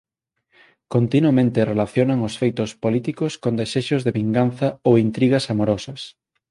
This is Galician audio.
Continuamente relacionan os feitos políticos con desexos de vinganza ou intrigas amorosas.